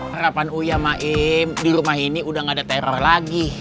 harapan uyamaim di rumah ini udah gak ada teror lagi